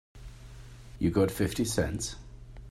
You got fifty cents?